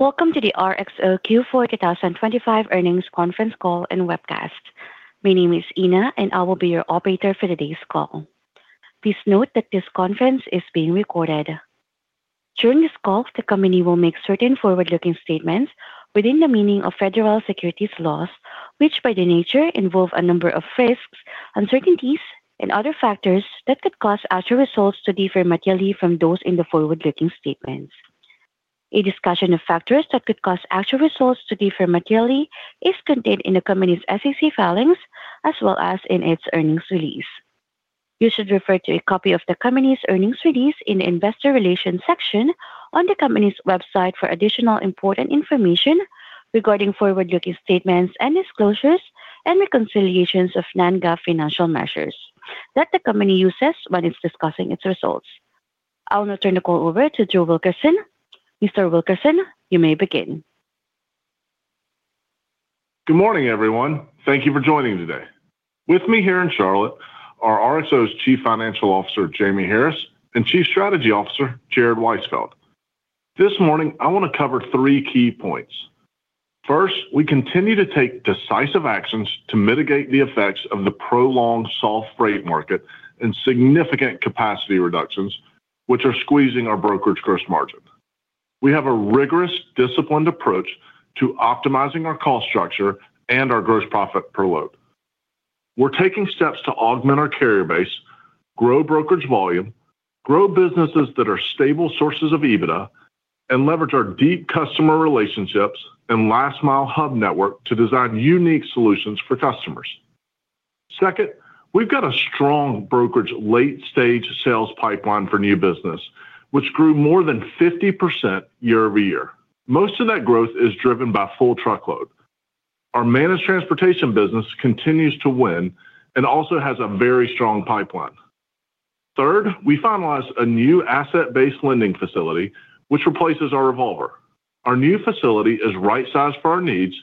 Welcome to the RXO Q4 2025 Earnings Conference Call and Webcast. My name is Ina, and I will be your operator for today's call. Please note that this conference is being recorded. During this call, the company will make certain forward-looking statements within the meaning of federal securities laws, which by their nature involve a number of risks, uncertainties, and other factors that could cause actual results to differ materially from those in the forward-looking statements. A discussion of factors that could cause actual results to differ materially is contained in the company's SEC filings as well as in its earnings release. You should refer to a copy of the company's earnings release in the investor relations section on the company's website for additional important information regarding forward-looking statements and disclosures and reconciliations of non-GAAP financial measures that the company uses when it's discussing its results. I'll now turn the call over to Drew Wilkerson. Mr. Wilkerson, you may begin. Good morning, everyone. Thank you for joining today. With me here in Charlotte are RXO's Chief Financial Officer Jamie Harris and Chief Strategy Officer Jared Weisfeld. This morning, I want to cover three key points. First, we continue to take decisive actions to mitigate the effects of the prolonged soft freight market and significant capacity reductions, which are squeezing our brokerage gross margin. We have a rigorous disciplined approach to optimizing our cost structure and our gross profit per load. We're taking steps to augment our carrier base, grow brokerage volume, grow businesses that are stable sources of EBITDA, and leverage our deep customer relationships and last-mile hub network to design unique solutions for customers. Second, we've got a strong brokerage late-stage sales pipeline for new business, which grew more than 50% year-over-year. Most of that growth is driven by full truckload. Our managed transportation business continues to win and also has a very strong pipeline. Third, we finalized a new asset-based lending facility, which replaces our revolver. Our new facility is right-sized for our needs,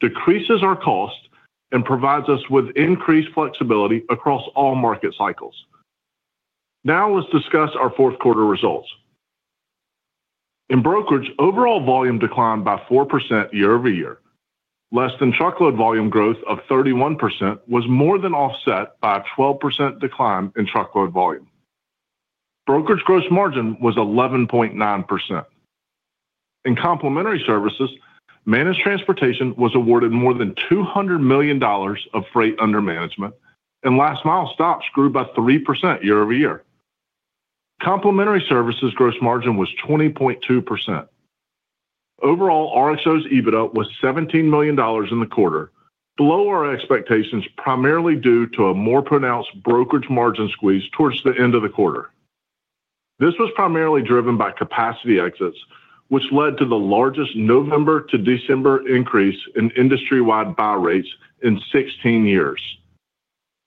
decreases our cost, and provides us with increased flexibility across all market cycles. Now let's discuss our fourth quarter results. In brokerage, overall volume declined by 4% year-over-year. Less-than-truckload volume growth of 31% was more than offset by a 12% decline in truckload volume. Brokerage gross margin was 11.9%. In complementary services, managed transportation was awarded more than $200 million of freight under management, and last-mile stops grew by 3% year-over-year. Complementary services gross margin was 20.2%. Overall, RXO's EBITDA was $17 million in the quarter, below our expectations primarily due to a more pronounced brokerage margin squeeze towards the end of the quarter. This was primarily driven by capacity exits, which led to the largest November to December increase in industry-wide buy rates in 16 years.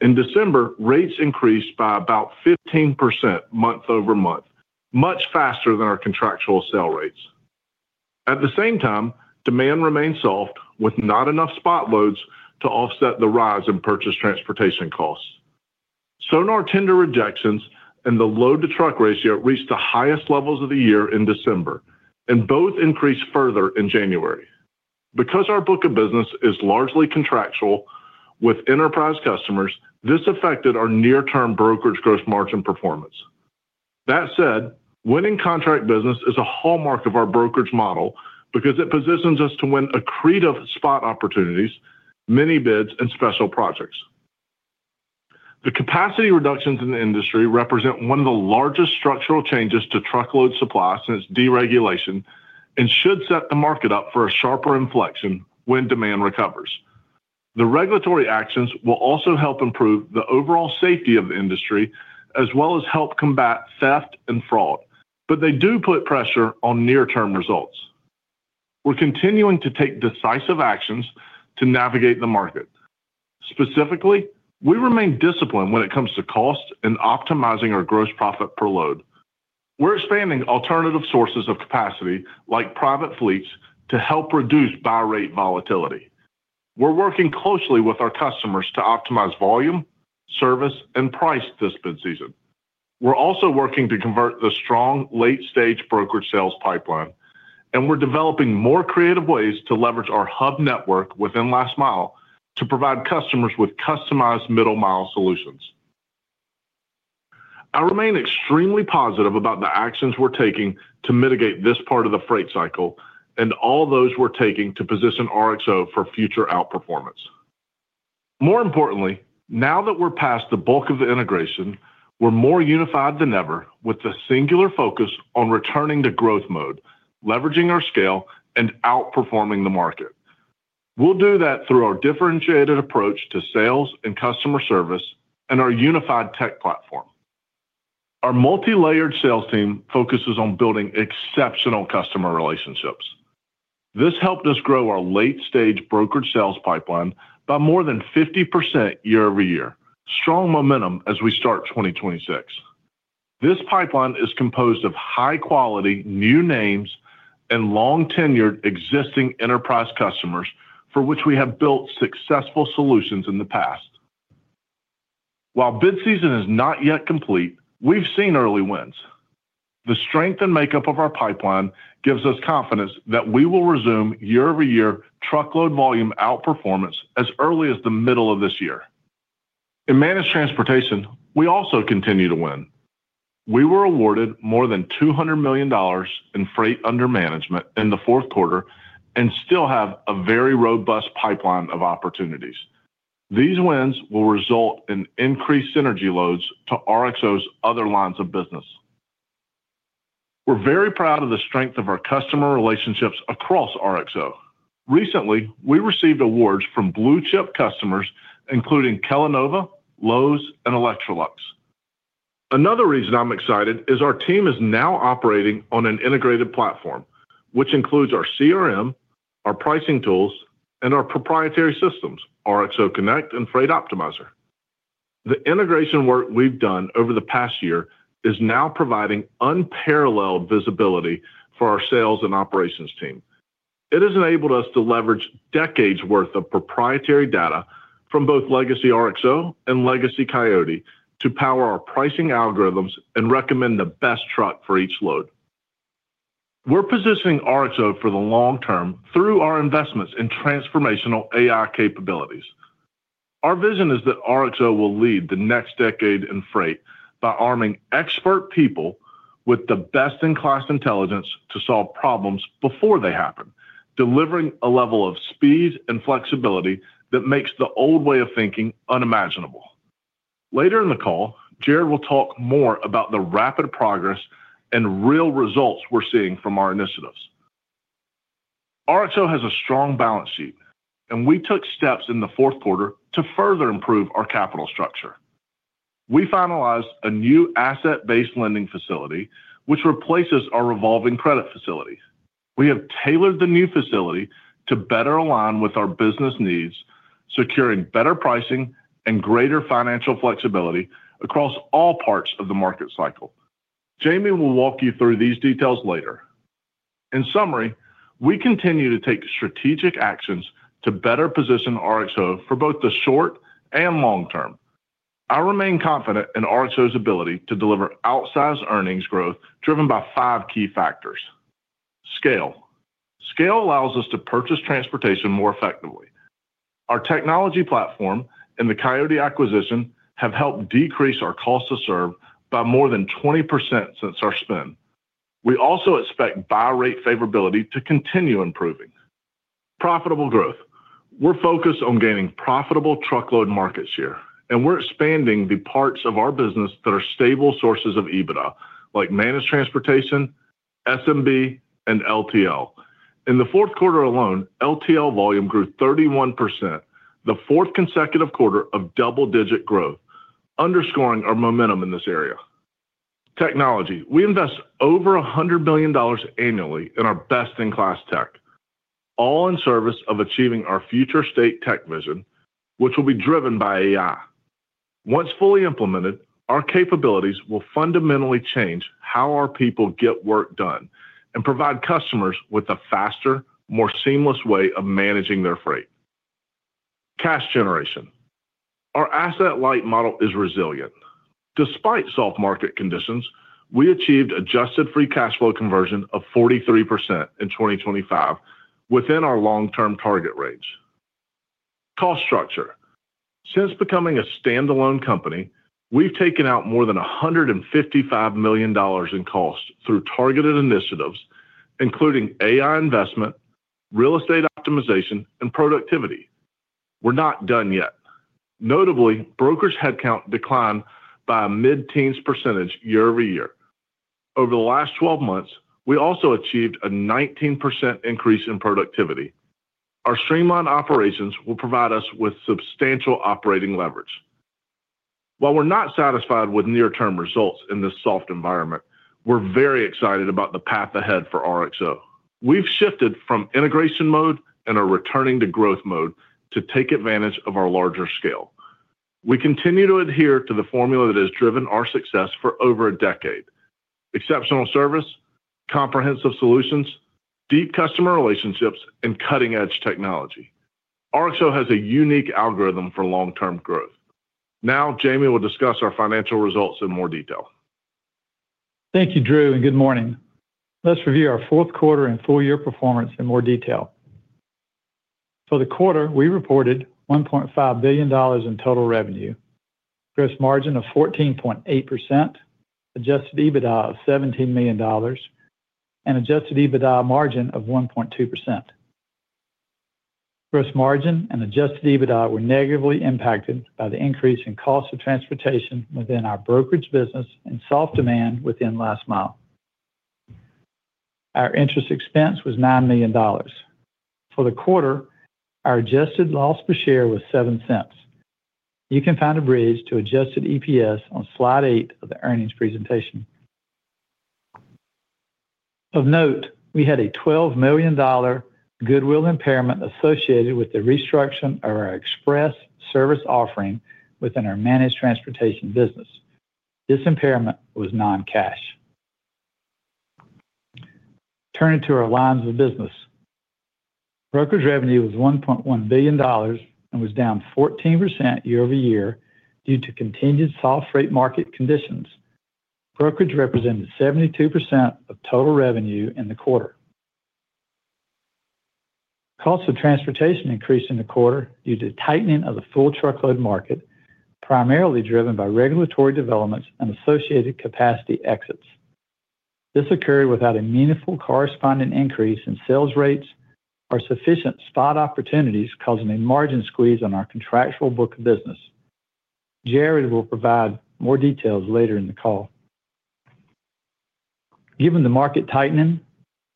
In December, rates increased by about 15% month-over-month, much faster than our contractual sell rates. At the same time, demand remained soft with not enough spot loads to offset the rise in purchased transportation costs. SONAR tender rejections and the load-to-truck ratio reached the highest levels of the year in December, and both increased further in January. Because our book of business is largely contractual with enterprise customers, this affected our near-term brokerage gross margin performance. That said, winning contract business is a hallmark of our brokerage model because it positions us to win accretive spot opportunities, mini bids, and special projects. The capacity reductions in the industry represent one of the largest structural changes to truckload supply since deregulation and should set the market up for a sharper inflection when demand recovers. The regulatory actions will also help improve the overall safety of the industry as well as help combat theft and fraud, but they do put pressure on near-term results. We're continuing to take decisive actions to navigate the market. Specifically, we remain disciplined when it comes to cost and optimizing our gross profit per load. We're expanding alternative sources of capacity like private fleets to help reduce buy rate volatility. We're working closely with our customers to optimize volume, service, and price this bid season. We're also working to convert the strong late-stage brokerage sales pipeline, and we're developing more creative ways to leverage our hub network within last-mile to provide customers with customized middle-mile solutions. I remain extremely positive about the actions we're taking to mitigate this part of the freight cycle and all those we're taking to position RXO for future outperformance. More importantly, now that we're past the bulk of the integration, we're more unified than ever with a singular focus on returning to growth mode, leveraging our scale, and outperforming the market. We'll do that through our differentiated approach to sales and customer service and our unified tech platform. Our multi-layered sales team focuses on building exceptional customer relationships. This helped us grow our late-stage brokerage sales pipeline by more than 50% year-over-year, strong momentum as we start 2026. This pipeline is composed of high-quality new names and long-tenured existing enterprise customers for which we have built successful solutions in the past. While bid season is not yet complete, we've seen early wins. The strength and makeup of our pipeline gives us confidence that we will resume year-over-year truckload volume outperformance as early as the middle of this year. In managed transportation, we also continue to win. We were awarded more than $200 million in freight under management in the fourth quarter and still have a very robust pipeline of opportunities. These wins will result in increased synergy loads to RXO's other lines of business. We're very proud of the strength of our customer relationships across RXO. Recently, we received awards from blue-chip customers including Kellanova, Lowe's, and Electrolux. Another reason I'm excited is our team is now operating on an integrated platform, which includes our CRM, our pricing tools, and our proprietary systems, RXO Connect and Freight Optimizer. The integration work we've done over the past year is now providing unparalleled visibility for our sales and operations team. It has enabled us to leverage decades' worth of proprietary data from both legacy RXO and legacy Coyote to power our pricing algorithms and recommend the best truck for each load. We're positioning RXO for the long term through our investments in transformational AI capabilities. Our vision is that RXO will lead the next decade in freight by arming expert people with the best-in-class intelligence to solve problems before they happen, delivering a level of speed and flexibility that makes the old way of thinking unimaginable. Later in the call, Jared will talk more about the rapid progress and real results we're seeing from our initiatives. RXO has a strong balance sheet, and we took steps in the fourth quarter to further improve our capital structure. We finalized a new asset-based lending facility, which replaces our revolving credit facility. We have tailored the new facility to better align with our business needs, securing better pricing and greater financial flexibility across all parts of the market cycle. Jamie will walk you through these details later. In summary, we continue to take strategic actions to better position RXO for both the short and long term. I remain confident in RXO's ability to deliver outsized earnings growth driven by five key factors. Scale. Scale allows us to purchase transportation more effectively. Our technology platform and the Coyote acquisition have helped decrease our cost to serve by more than 20% since our spin. We also expect buy rate favorability to continue improving. Profitable growth. We're focused on gaining profitable truckload market share, and we're expanding the parts of our business that are stable sources of EBITDA like managed transportation, SMB, and LTL. In the fourth quarter alone, LTL volume grew 31%, the fourth consecutive quarter of double-digit growth, underscoring our momentum in this area. Technology. We invest over $100 million annually in our best-in-class tech, all in service of achieving our future state tech vision, which will be driven by AI. Once fully implemented, our capabilities will fundamentally change how our people get work done and provide customers with a faster, more seamless way of managing their freight. Cash generation. Our asset-light model is resilient. Despite soft market conditions, we achieved adjusted free cash flow conversion of 43% in 2025 within our long-term target range. Cost structure. Since becoming a standalone company, we've taken out more than $155 million in costs through targeted initiatives, including AI investment, real estate optimization, and productivity. We're not done yet. Notably, brokerage headcount declined by a mid-teens percentage year-over-year. Over the last 12 months, we also achieved a 19% increase in productivity. Our streamlined operations will provide us with substantial operating leverage. While we're not satisfied with near-term results in this soft environment, we're very excited about the path ahead for RXO. We've shifted from integration mode and are returning to growth mode to take advantage of our larger scale. We continue to adhere to the formula that has driven our success for over a decade: exceptional service, comprehensive solutions, deep customer relationships, and cutting-edge technology. RXO has a unique algorithm for long-term growth. Now, Jamie will discuss our financial results in more detail. Thank you, Drew, and good morning. Let's review our fourth quarter and full-year performance in more detail. For the quarter, we reported $1.5 billion in total revenue, gross margin of 14.8%, adjusted EBITDA of $17 million, and adjusted EBITDA margin of 1.2%. Gross margin and adjusted EBITDA were negatively impacted by the increase in cost of transportation within our brokerage business and soft demand within last-mile. Our interest expense was $9 million. For the quarter, our adjusted loss per share was $0.07. You can find a bridge to adjusted EPS on slide 8 of the earnings presentation. Of note, we had a $12 million goodwill impairment associated with the restructuring of our express service offering within our managed transportation business. This impairment was non-cash. Turning to our lines of business. Brokerage revenue was $1.1 billion and was down 14% year-over-year due to continued soft freight market conditions. Brokerage represented 72% of total revenue in the quarter. Cost of transportation increased in the quarter due to tightening of the full truckload market, primarily driven by regulatory developments and associated capacity exits. This occurred without a meaningful corresponding increase in sales rates or sufficient spot opportunities causing a margin squeeze on our contractual book of business. Jared will provide more details later in the call. Given the market tightening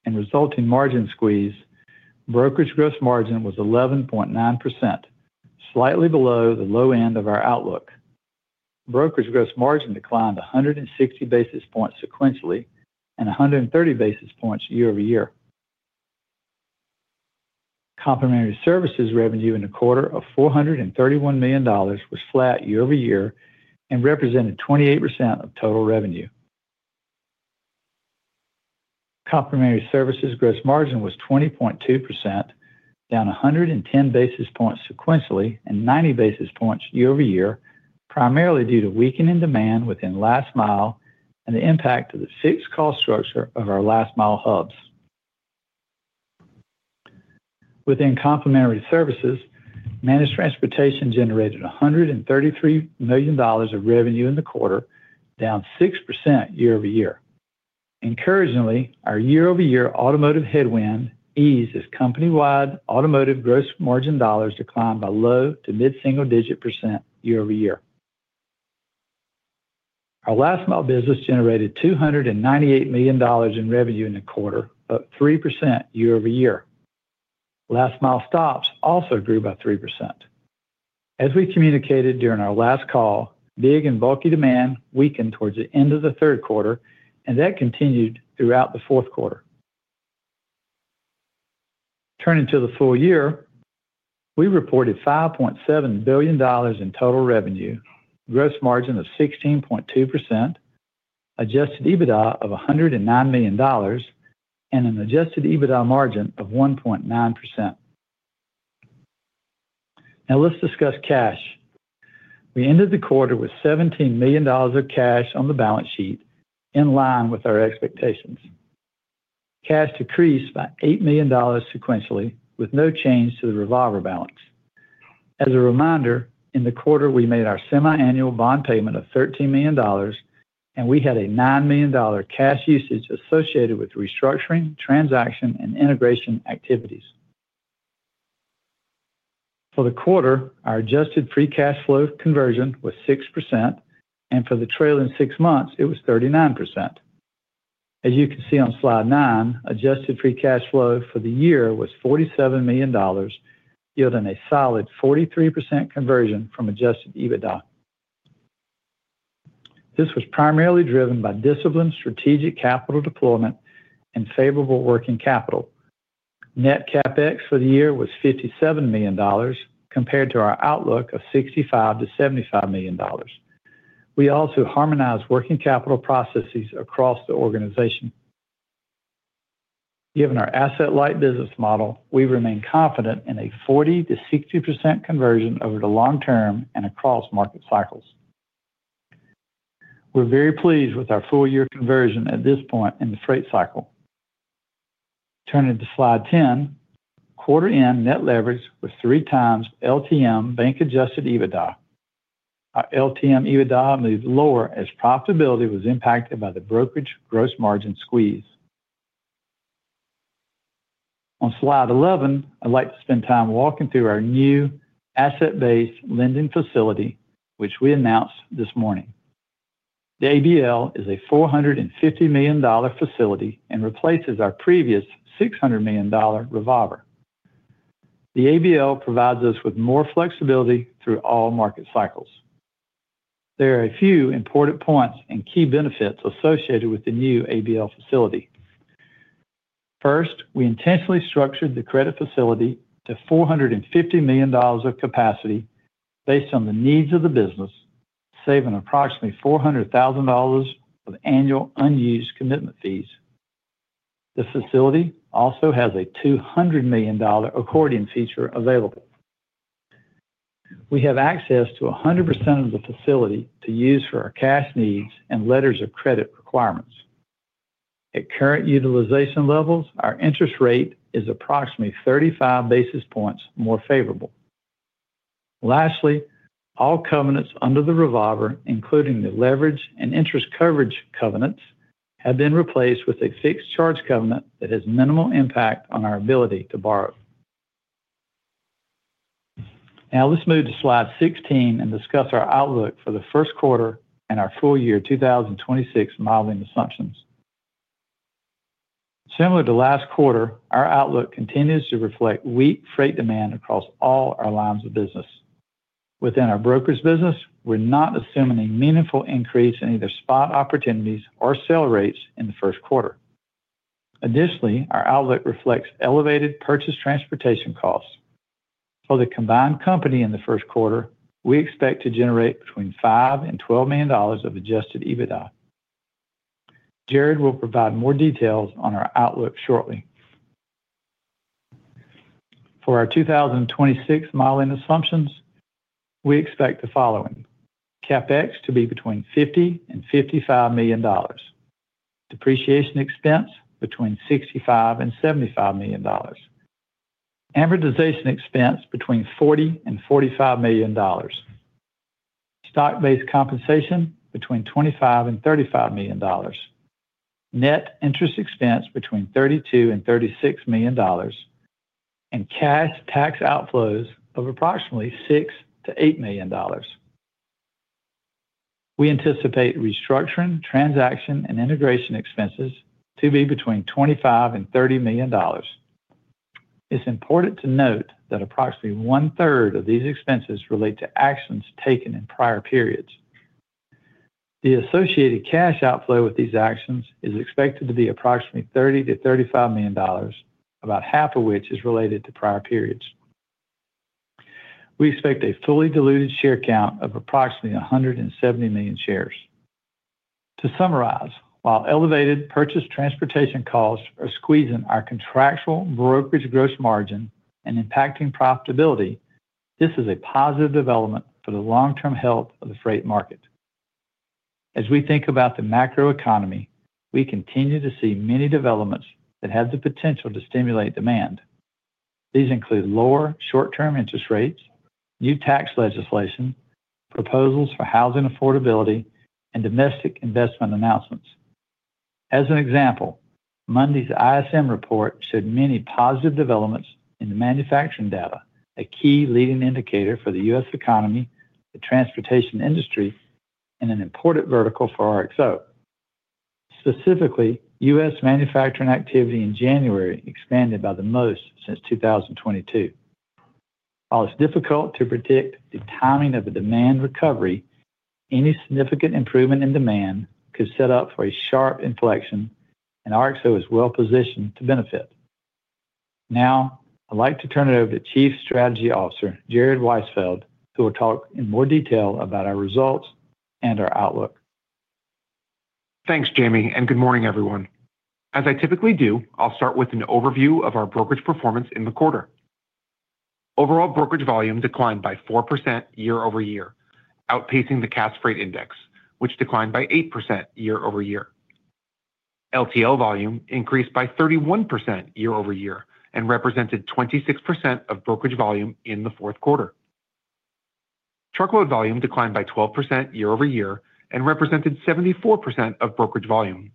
and resulting margin squeeze, brokerage gross margin was 11.9%, slightly below the low end of our outlook. Brokerage gross margin declined 160 basis points sequentially and 130 basis points year-over-year. Complementary services revenue in the quarter of $431 million was flat year-over-year and represented 28% of total revenue. Complementary services gross margin was 20.2%, down 110 basis points sequentially and 90 basis points year-over-year, primarily due to weakening demand within last-mile and the impact of the fixed cost structure of our last-mile hubs. Within complementary services, managed transportation generated $133 million of revenue in the quarter, down 6% year-over-year. Encouragingly, our year-over-year automotive headwind eased as company-wide automotive gross margin dollars declined by low to mid-single-digit percent year-over-year. Our last-mile business generated $298 million in revenue in the quarter, up 3% year-over-year. Last-mile stops also grew by 3%. As we communicated during our last call, big and bulky demand weakened towards the end of the third quarter, and that continued throughout the fourth quarter. Turning to the full year, we reported $5.7 billion in total revenue, gross margin of 16.2%, adjusted EBITDA of $109 million, and an adjusted EBITDA margin of 1.9%. Now, let's discuss cash. We ended the quarter with $17 million of cash on the balance sheet in line with our expectations. Cash decreased by $8 million sequentially with no change to the revolver balance. As a reminder, in the quarter, we made our semi-annual bond payment of $13 million, and we had a $9 million cash usage associated with restructuring, transaction, and integration activities. For the quarter, our adjusted free cash flow conversion was 6%, and for the trailing six months, it was 39%. As you can see on slide nine, adjusted free cash flow for the year was $47 million, yielding a solid 43% conversion from adjusted EBITDA. This was primarily driven by disciplined strategic capital deployment and favorable working capital. Net CapEx for the year was $57 million compared to our outlook of $65-$75 million. We also harmonized working capital processes across the organization. Given our asset-light business model, we remain confident in a 40%-60% conversion over the long term and across market cycles. We're very pleased with our full-year conversion at this point in the freight cycle. Turning to slide 10, quarter-end net leverage was three times LTM bank-adjusted EBITDA. Our LTM EBITDA moved lower as profitability was impacted by the brokerage gross margin squeeze. On slide 11, I'd like to spend time walking through our new asset-based lending facility, which we announced this morning. The ABL is a $450 million facility and replaces our previous $600 million revolver. The ABL provides us with more flexibility through all market cycles. There are a few important points and key benefits associated with the new ABL facility. First, we intentionally structured the credit facility to $450 million of capacity based on the needs of the business, saving approximately $400,000 of annual unused commitment fees. The facility also has a $200 million accordion feature available. We have access to 100% of the facility to use for our cash needs and letters of credit requirements. At current utilization levels, our interest rate is approximately 35 basis points more favorable. Lastly, all covenants under the revolver, including the leverage and interest coverage covenants, have been replaced with a fixed charge covenant that has minimal impact on our ability to borrow. Now, let's move to slide 16 and discuss our outlook for the first quarter and our full-year 2026 modeling assumptions. Similar to last quarter, our outlook continues to reflect weak freight demand across all our lines of business. Within our brokerage business, we're not assuming a meaningful increase in either spot opportunities or sale rates in the first quarter. Additionally, our outlook reflects elevated purchased transportation costs. For the combined company in the first quarter, we expect to generate between $5 million and $12 million of Adjusted EBITDA. Jared will provide more details on our outlook shortly. For our 2026 modeling assumptions, we expect the following: CapEx to be between $50 million and $55 million, depreciation expense between $65 million and $75 million, amortization expense between $40 million and $45 million, stock-based compensation between $25 million and $35 million, net interest expense between $32 million and $36 million, and cash tax outflows of approximately $6 million-$8 million. We anticipate restructuring, transaction, and integration expenses to be between $25 million and $30 million. It's important to note that approximately one-third of these expenses relate to actions taken in prior periods. The associated cash outflow with these actions is expected to be approximately $30-$35 million, about half of which is related to prior periods. We expect a fully diluted share count of approximately 170 million shares. To summarize, while elevated purchased transportation costs are squeezing our contractual brokerage gross margin and impacting profitability, this is a positive development for the long-term health of the freight market. As we think about the macroeconomy, we continue to see many developments that have the potential to stimulate demand. These include lower short-term interest rates, new tax legislation, proposals for housing affordability, and domestic investment announcements. As an example, Monday's ISM report showed many positive developments in the manufacturing data, a key leading indicator for the U.S. economy, the transportation industry, and an important vertical for RXO. Specifically, U.S. manufacturing activity in January expanded by the most since 2022. While it's difficult to predict the timing of the demand recovery, any significant improvement in demand could set up for a sharp inflection, and RXO is well positioned to benefit. Now, I'd like to turn it over to Chief Strategy Officer Jared Weisfeld, who will talk in more detail about our results and our outlook. Thanks, Jamie, and good morning, everyone. As I typically do, I'll start with an overview of our brokerage performance in the quarter. Overall brokerage volume declined by 4% year-over-year, outpacing the Cass Freight Index, which declined by 8% year-over-year. LTL volume increased by 31% year-over-year and represented 26% of brokerage volume in the fourth quarter. Truckload volume declined by 12% year-over-year and represented 74% of brokerage volume.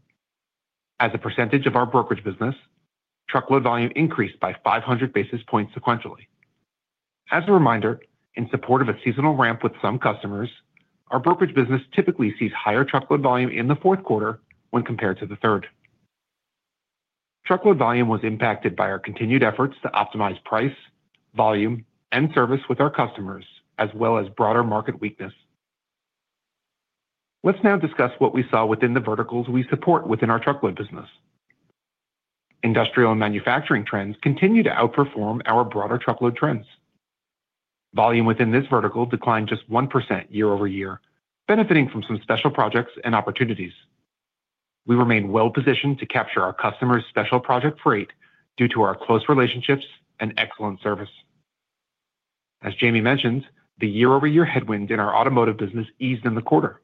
As a percentage of our brokerage business, truckload volume increased by 500 basis points sequentially. As a reminder, in support of a seasonal ramp with some customers, our brokerage business typically sees higher truckload volume in the fourth quarter when compared to the third. Truckload volume was impacted by our continued efforts to optimize price, volume, and service with our customers, as well as broader market weakness. Let's now discuss what we saw within the verticals we support within our truckload business. Industrial and manufacturing trends continue to outperform our broader truckload trends. Volume within this vertical declined just 1% year-over-year, benefiting from some special projects and opportunities. We remain well positioned to capture our customers' special project freight due to our close relationships and excellent service. As Jamie mentioned, the year-over-year headwind in our automotive business eased in the quarter.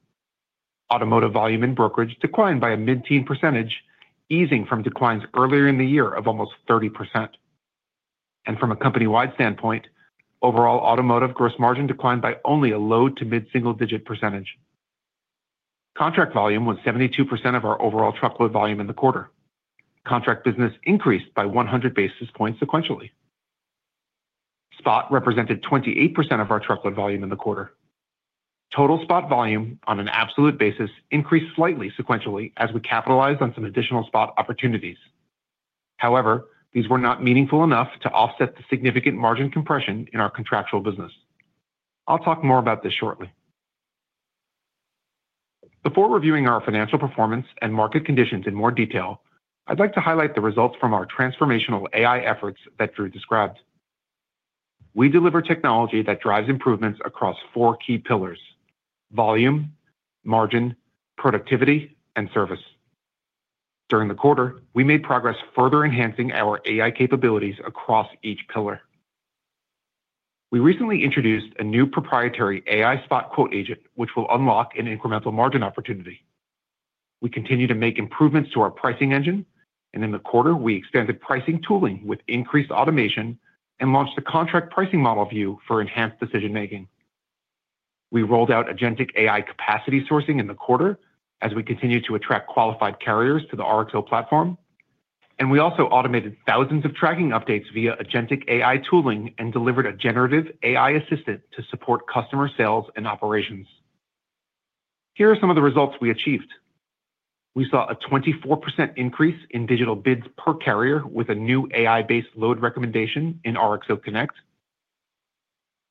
Automotive volume in brokerage declined by a mid-teens percentage, easing from declines earlier in the year of almost 30%. And from a company-wide standpoint, overall automotive gross margin declined by only a low to mid-single-digit percentage. Contract volume was 72% of our overall truckload volume in the quarter. Contract business increased by 100 basis points sequentially. Spot represented 28% of our truckload volume in the quarter. Total spot volume on an absolute basis increased slightly sequentially as we capitalized on some additional spot opportunities. However, these were not meaningful enough to offset the significant margin compression in our contractual business. I'll talk more about this shortly. Before reviewing our financial performance and market conditions in more detail, I'd like to highlight the results from our transformational AI efforts that Drew described. We deliver technology that drives improvements across four key pillars: volume, margin, productivity, and service. During the quarter, we made progress further enhancing our AI capabilities across each pillar. We recently introduced a new proprietary AI spot quote agent, which will unlock an incremental margin opportunity. We continue to make improvements to our pricing engine, and in the quarter, we expanded pricing tooling with increased automation and launched the contract pricing model view for enhanced decision-making. We rolled out Agentic AI capacity sourcing in the quarter as we continue to attract qualified carriers to the RXO platform, and we also automated thousands of tracking updates via Agentic AI tooling and delivered a generative AI assistant to support customer sales and operations. Here are some of the results we achieved. We saw a 24% increase in digital bids per carrier with a new AI-based load recommendation in RXO Connect.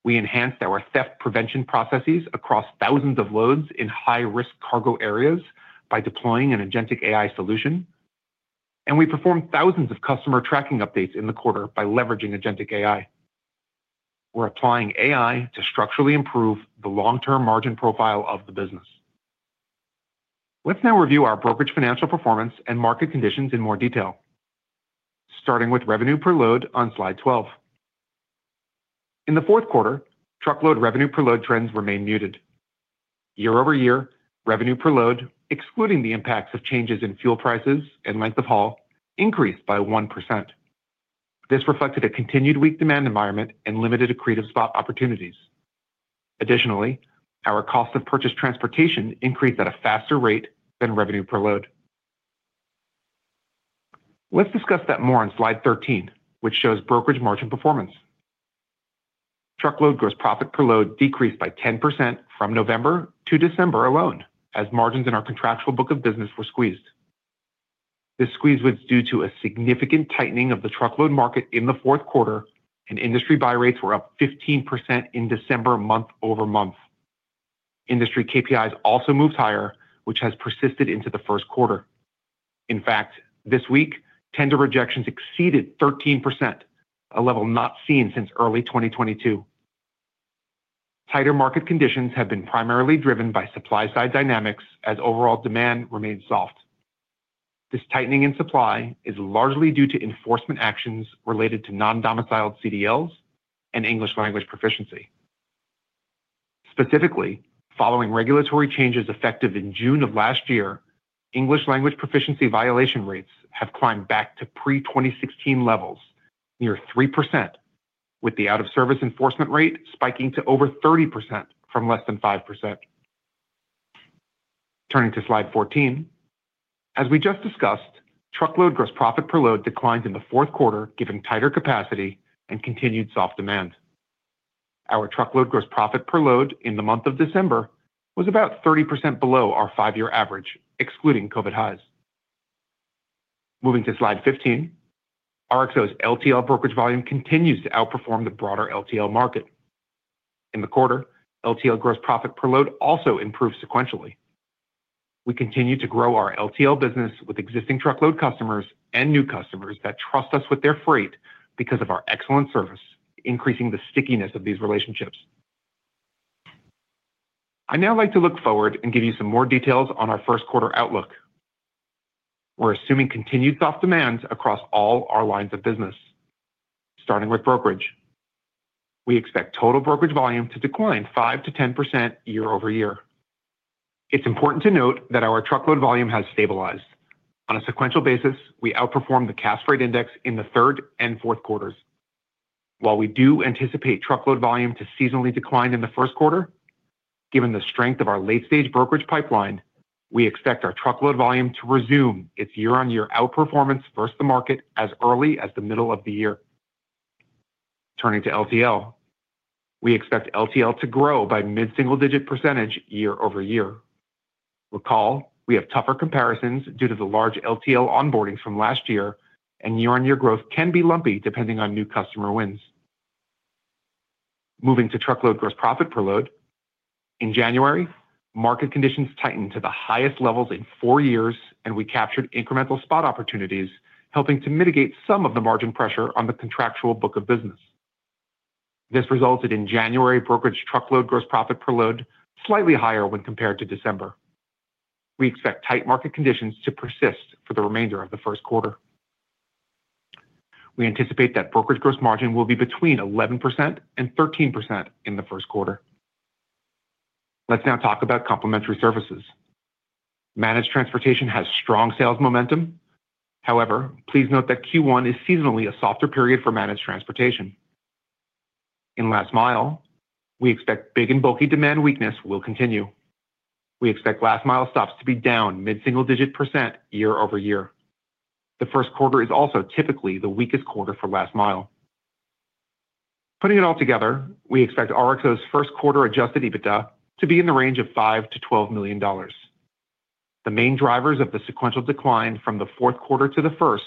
We enhanced our theft prevention processes across thousands of loads in high-risk cargo areas by deploying an Agentic AI solution, and we performed thousands of customer tracking updates in the quarter by leveraging Agentic AI. We're applying AI to structurally improve the long-term margin profile of the business. Let's now review our brokerage financial performance and market conditions in more detail, starting with revenue per load on slide 12. In the fourth quarter, truckload revenue per load trends remained muted. Year-over-year, revenue per load, excluding the impacts of changes in fuel prices and length of haul, increased by 1%. This reflected a continued weak demand environment and limited accretive spot opportunities. Additionally, our cost of purchased transportation increased at a faster rate than revenue per load. Let's discuss that more on slide 13, which shows brokerage margin performance. Truckload gross profit per load decreased by 10% from November to December alone as margins in our contractual book of business were squeezed. This squeeze was due to a significant tightening of the truckload market in the fourth quarter, and industry buy rates were up 15% in December month-over-month. Industry KPIs also moved higher, which has persisted into the first quarter. In fact, this week, tender rejections exceeded 13%, a level not seen since early 2022. Tighter market conditions have been primarily driven by supply-side dynamics as overall demand remains soft. This tightening in supply is largely due to enforcement actions related to non-domiciled CDLs and English language proficiency. Specifically, following regulatory changes effective in June of last year, English language proficiency violation rates have climbed back to pre-2016 levels, near 3%, with the out-of-service enforcement rate spiking to over 30% from less than 5%. Turning to slide 14, as we just discussed, truckload gross profit per load declined in the fourth quarter given tighter capacity and continued soft demand. Our truckload gross profit per load in the month of December was about 30% below our five-year average, excluding COVID highs. Moving to slide 15, RXO's LTL brokerage volume continues to outperform the broader LTL market. In the quarter, LTL gross profit per load also improved sequentially. We continue to grow our LTL business with existing truckload customers and new customers that trust us with their freight because of our excellent service, increasing the stickiness of these relationships. I now like to look forward and give you some more details on our first quarter outlook. We're assuming continued soft demand across all our lines of business, starting with brokerage. We expect total brokerage volume to decline 5%-10% year-over-year. It's important to note that our truckload volume has stabilized. On a sequential basis, we outperformed the Cass Freight Index in the third and fourth quarters. While we do anticipate truckload volume to seasonally decline in the first quarter, given the strength of our late-stage brokerage pipeline, we expect our truckload volume to resume its year-over-year outperformance versus the market as early as the middle of the year. Turning to LTL, we expect LTL to grow by mid-single-digit percentage year-over-year. Recall, we have tougher comparisons due to the large LTL onboarding from last year, and year-over-year growth can be lumpy depending on new customer wins. Moving to truckload gross profit per load, in January, market conditions tightened to the highest levels in four years, and we captured incremental spot opportunities, helping to mitigate some of the margin pressure on the contractual book of business. This resulted in January brokerage truckload gross profit per load slightly higher when compared to December. We expect tight market conditions to persist for the remainder of the first quarter. We anticipate that brokerage gross margin will be between 11% and 13% in the first quarter. Let's now talk about complementary services. Managed transportation has strong sales momentum. However, please note that Q1 is seasonally a softer period for managed transportation. In last mile, we expect big and bulky demand weakness will continue. We expect last mile stops to be down mid-single-digit % year-over-year. The first quarter is also typically the weakest quarter for last mile. Putting it all together, we expect RXO's first quarter Adjusted EBITDA to be in the range of $5 million-$12 million. The main drivers of the sequential decline from the fourth quarter to the first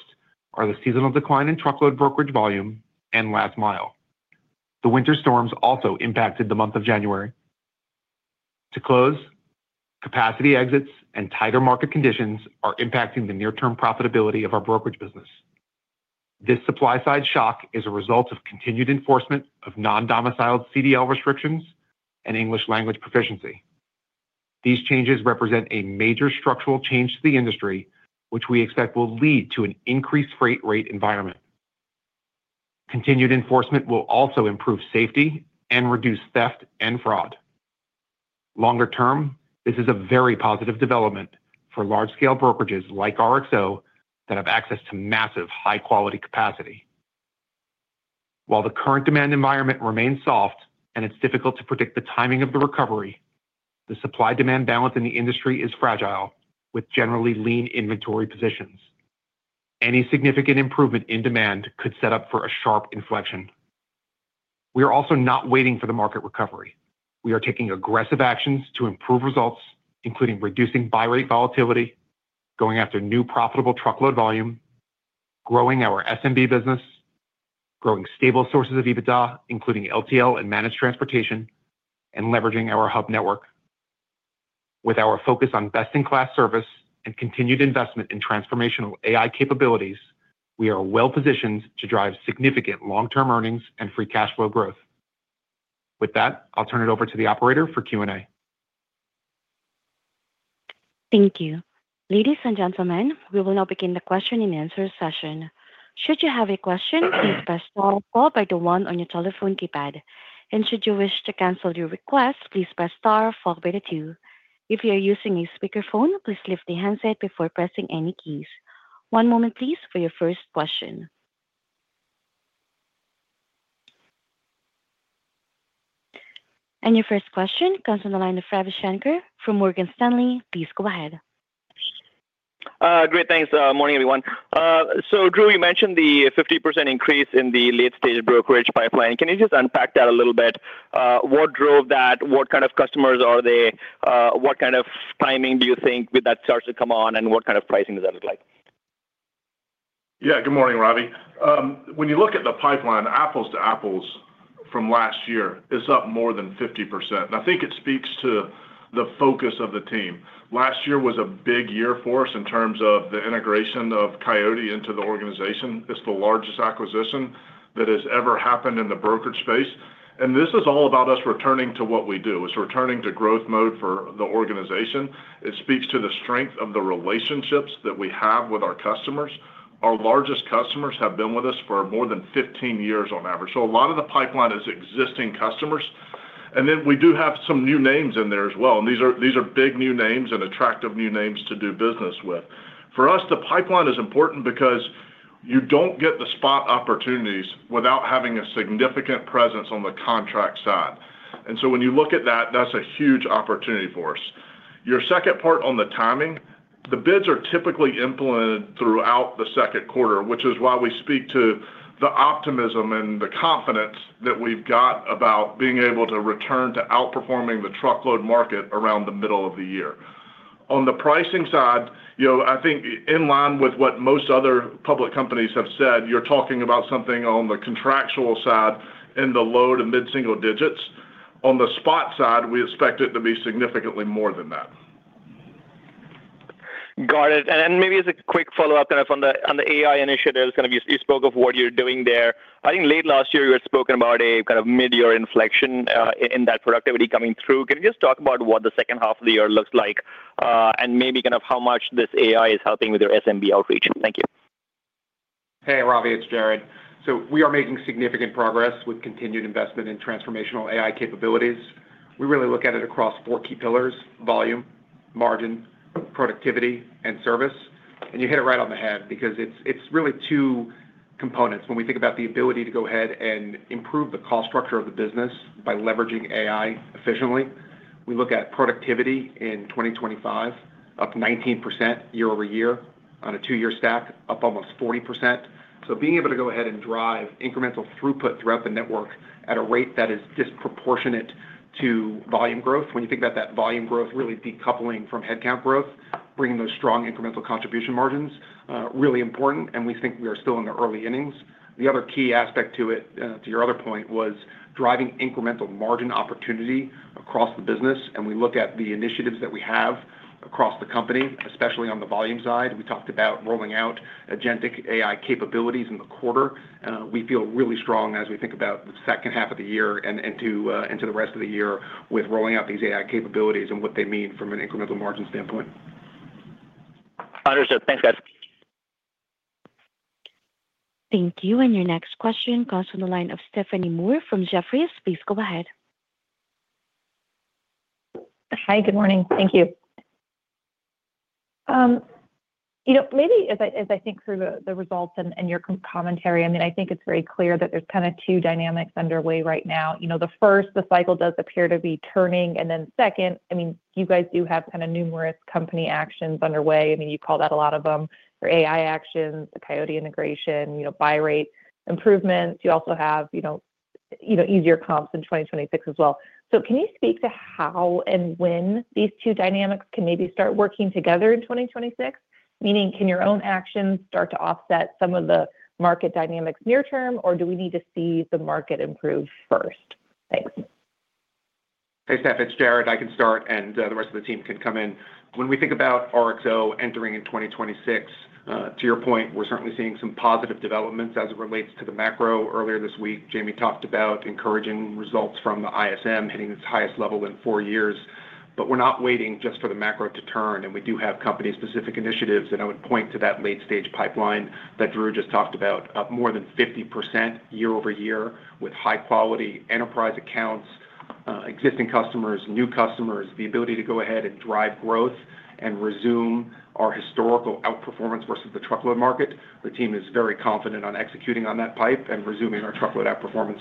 are the seasonal decline in truckload brokerage volume and last mile. The winter storms also impacted the month of January. To close, capacity exits and tighter market conditions are impacting the near-term profitability of our brokerage business. This supply-side shock is a result of continued enforcement of non-domiciled CDL restrictions and English language proficiency. These changes represent a major structural change to the industry, which we expect will lead to an increased freight rate environment. Continued enforcement will also improve safety and reduce theft and fraud. Longer term, this is a very positive development for large-scale brokerages like RXO that have access to massive, high-quality capacity. While the current demand environment remains soft and it's difficult to predict the timing of the recovery, the supply-demand balance in the industry is fragile with generally lean inventory positions. Any significant improvement in demand could set up for a sharp inflection. We are also not waiting for the market recovery. We are taking aggressive actions to improve results, including reducing buy rate volatility, going after new profitable truckload volume, growing our SMB business, growing stable sources of EBITDA including LTL and managed transportation, and leveraging our hub network. With our focus on best-in-class service and continued investment in transformational AI capabilities, we are well positioned to drive significant long-term earnings and free cash flow growth. With that, I'll turn it over to the operator for Q&A. Thank you. Ladies and gentlemen, we will now begin the question-and-answer session. Should you have a question, please press star followed by the one on your telephone keypad. Should you wish to cancel your request, please press star followed by the two. If you are using a speakerphone, please lift the handset before pressing any keys. One moment, please, for your first question. Your first question comes from the line of Ravi Shanker from Morgan Stanley. Please go ahead. Great. Thanks. Morning, everyone. So, Drew, you mentioned the 50% increase in the late-stage brokerage pipeline. Can you just unpack that a little bit? What drove that? What kind of customers are they? What kind of timing do you think that starts to come on, and what kind of pricing does that look like? Yeah. Good morning, Ravi. When you look at the pipeline, apples to apples from last year, it's up more than 50%. I think it speaks to the focus of the team. Last year was a big year for us in terms of the integration of Coyote into the organization. It's the largest acquisition that has ever happened in the brokerage space. This is all about us returning to what we do. It's returning to growth mode for the organization. It speaks to the strength of the relationships that we have with our customers. Our largest customers have been with us for more than 15 years on average. So a lot of the pipeline is existing customers. Then we do have some new names in there as well. These are big new names and attractive new names to do business with. For us, the pipeline is important because you don't get the spot opportunities without having a significant presence on the contract side. And so when you look at that, that's a huge opportunity for us. Your second part on the timing, the bids are typically implemented throughout the second quarter, which is why we speak to the optimism and the confidence that we've got about being able to return to outperforming the truckload market around the middle of the year. On the pricing side, I think in line with what most other public companies have said, you're talking about something on the contractual side in the low to mid-single digits. On the spot side, we expect it to be significantly more than that. Got it. Maybe as a quick follow-up kind of on the AI initiatives, kind of you spoke of what you're doing there. I think late last year, you had spoken about a kind of mid-year inflection in that productivity coming through. Can you just talk about what the second half of the year looks like and maybe kind of how much this AI is helping with your SMB outreach? Thank you. Hey, Ravi. It's Jared. So we are making significant progress with continued investment in transformational AI capabilities. We really look at it across four key pillars: volume, margin, productivity, and service. And you hit it right on the head because it's really two components. When we think about the ability to go ahead and improve the cost structure of the business by leveraging AI efficiently, we look at productivity in 2025 up 19% year-over-year on a two-year stack, up almost 40%. So being able to go ahead and drive incremental throughput throughout the network at a rate that is disproportionate to volume growth. When you think about that volume growth, really decoupling from headcount growth, bringing those strong incremental contribution margins, really important. And we think we are still in the early innings. The other key aspect to it, to your other point, was driving incremental margin opportunity across the business. We look at the initiatives that we have across the company, especially on the volume side. We talked about rolling out Agentic AI capabilities in the quarter. We feel really strong as we think about the second half of the year and into the rest of the year with rolling out these AI capabilities and what they mean from an incremental margin standpoint. Understood. Thanks, guys. Thank you. And your next question comes from the line of Stephanie Moore from Jefferies. Please go ahead. Hi. Good morning. Thank you. Maybe as I think through the results and your commentary, I mean, I think it's very clear that there's kind of two dynamics underway right now. The first, the cycle does appear to be turning. And then second, I mean, you guys do have kind of numerous company actions underway. I mean, you call that a lot of them. They're AI actions, the Coyote integration, buy rate improvements. You also have easier comps in 2026 as well. So can you speak to how and when these two dynamics can maybe start working together in 2026? Meaning, can your own actions start to offset some of the market dynamics near term, or do we need to see the market improve first? Thanks. Hey, Steph. It's Jared. I can start, and the rest of the team can come in. When we think about RXO entering in 2026, to your point, we're certainly seeing some positive developments as it relates to the macro. Earlier this week, Jamie talked about encouraging results from the ISM hitting its highest level in four years. But we're not waiting just for the macro to turn. And we do have company-specific initiatives. And I would point to that late-stage pipeline that Drew just talked about, up more than 50% year-over-year with high-quality enterprise accounts, existing customers, new customers, the ability to go ahead and drive growth and resume our historical outperformance versus the truckload market. The team is very confident on executing on that pipe and resuming our truckload outperformance.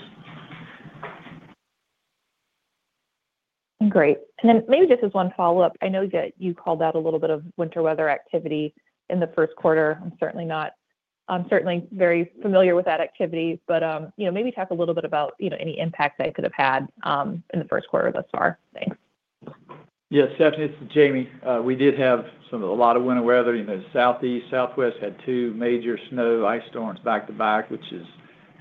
Great. Then maybe just as one follow-up, I know that you called out a little bit of winter weather activity in the first quarter. I'm certainly very familiar with that activity. But maybe talk a little bit about any impacts that it could have had in the first quarter thus far. Thanks. Yeah. Stephanie, it's Jamie. We did have a lot of winter weather. Southeast, Southwest had two major snow ice storms back to back, which is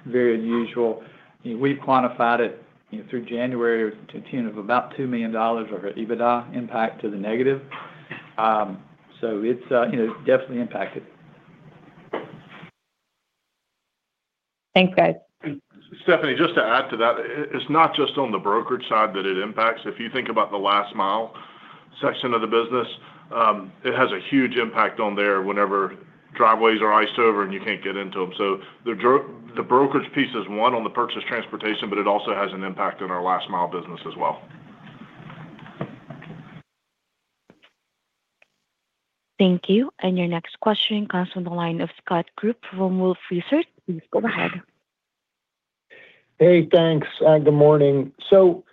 very unusual. We've quantified it through January to a tune of about $2 million of EBITDA impact to the negative. So it's definitely impacted. Thanks, guys. Stephanie, just to add to that, it's not just on the brokerage side that it impacts. If you think about the last mile section of the business, it has a huge impact on there whenever driveways are iced over and you can't get into them. So the brokerage piece is one on the purchased transportation, but it also has an impact on our last mile business as well. Thank you. Your next question comes from the line of Scott Group from Wolfe Research. Please go ahead. Hey. Thanks. Good morning. So,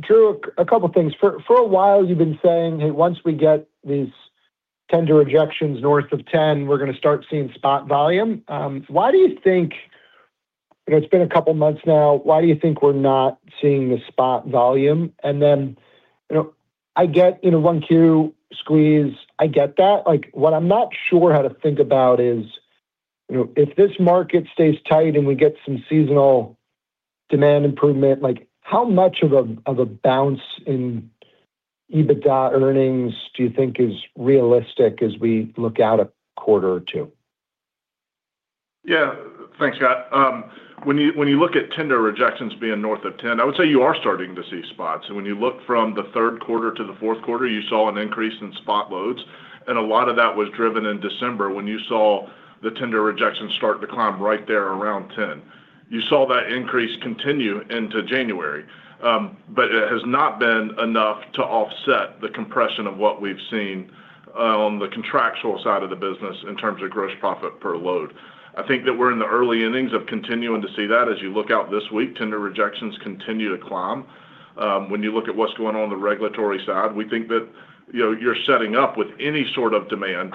Drew, a couple of things. For a while, you've been saying, "Hey, once we get these tender rejections north of 10, we're going to start seeing spot volume." Why do you think it's been a couple of months now? Why do you think we're not seeing the spot volume? And then I get in an LTL squeeze. I get that. What I'm not sure how to think about is if this market stays tight and we get some seasonal demand improvement, how much of a bounce in EBITDA earnings do you think is realistic as we look out a quarter or two? Yeah. Thanks, Scott. When you look at tender rejections being north of 10%, I would say you are starting to see spot. When you look from the third quarter to the fourth quarter, you saw an increase in spot loads. A lot of that was driven in December when you saw the tender rejections start to climb right there around 10%. You saw that increase continue into January, but it has not been enough to offset the compression of what we've seen on the contractual side of the business in terms of gross profit per load. I think that we're in the early innings of continuing to see that. As you look out this week, tender rejections continue to climb. When you look at what's going on the regulatory side, we think that you're setting up with any sort of demand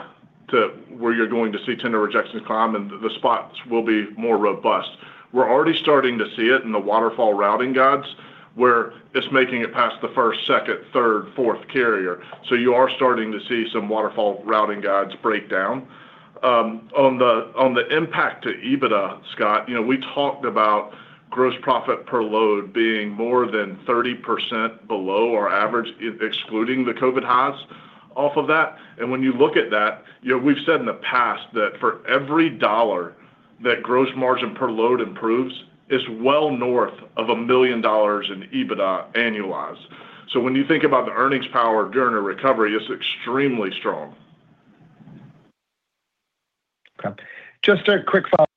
where you're going to see tender rejections climb, and the spots will be more robust. We're already starting to see it in the waterfall routing guides where it's making it past the first, second, third, fourth carrier. So you are starting to see some waterfall routing guides break down. On the impact to EBITDA, Scott, we talked about gross profit per load being more than 30% below our average, excluding the COVID highs off of that. And when you look at that, we've said in the past that for every dollar that gross margin per load improves, it's well north of $1 million in EBITDA annualized. So when you think about the earnings power during a recovery, it's extremely strong. Okay. Just a quick follow-up.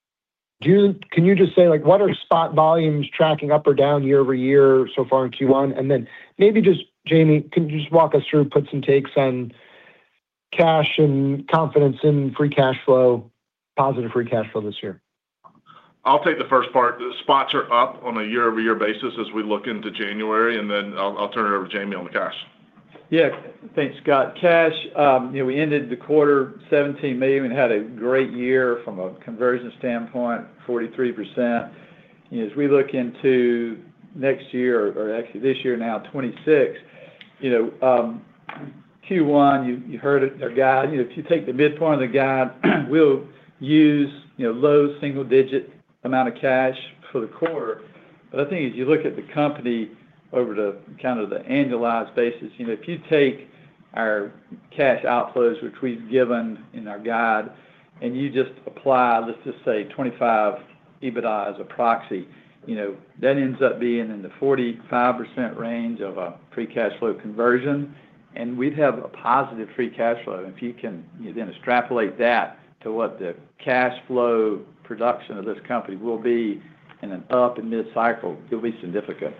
Can you just say what are spot volumes tracking up or down year-over-year so far in Q1? And then maybe just, Jamie, can you just walk us through, put some takes on cash and confidence in free cash flow, positive free cash flow this year? I'll take the first part. The spots are up on a year-over-year basis as we look into January. Then I'll turn it over to Jamie on the cash. Yeah. Thanks, Scott. Cash, we ended the quarter at $17 million and had a great year from a conversion standpoint, 43%. As we look into next year or actually this year now, 2026, Q1, you heard our guide. If you take the midpoint of the guide, we'll use low single-digit amount of cash for the quarter. But I think as you look at the company over kind of the annualized basis, if you take our cash outflows, which we've given in our guide, and you just apply, let's just say, $25 million EBITDA as a proxy, that ends up being in the 45% range of a free cash flow conversion. And we'd have a positive free cash flow. If you can then extrapolate that to what the cash flow production of this company will be in an up and mid-cycle, it'll be significant.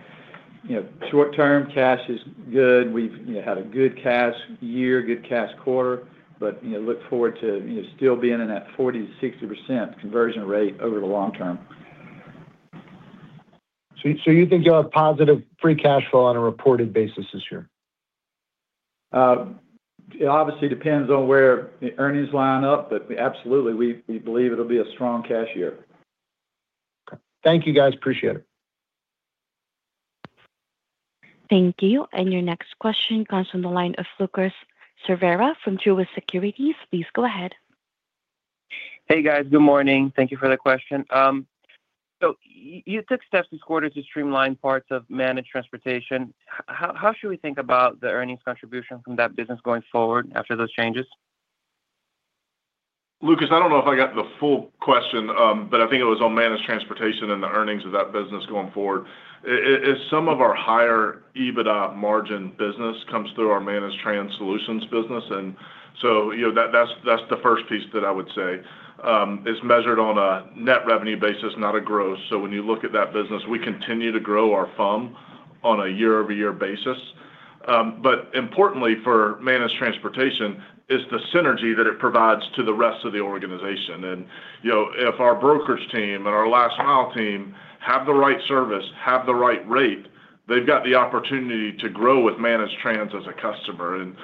Short-term, cash is good. We've had a good cash year, good cash quarter, but look forward to still being in that 40%-60% conversion rate over the long term. So you think you'll have positive free cash flow on a reported basis this year? It obviously depends on where the earnings line up, but absolutely, we believe it'll be a strong cash year. Okay. Thank you, guys. Appreciate it. Thank you. And your next question comes from the line of Lucas Severa from Truist Securities. Please go ahead. Hey, guys. Good morning. Thank you for the question. So you took steps this quarter to streamline parts of managed transportation. How should we think about the earnings contribution from that business going forward after those changes? Lucas, I don't know if I got the full question, but I think it was on managed transportation and the earnings of that business going forward. As some of our higher EBITDA margin business comes through our managed trans solutions business and so that's the first piece that I would say. It's measured on a net revenue basis, not a gross. So when you look at that business, we continue to grow our FUM on a year-over-year basis. But importantly for managed transportation, it's the synergy that it provides to the rest of the organization. And if our brokerage team and our last mile team have the right service, have the right rate, they've got the opportunity to grow with managed trans as a customer. And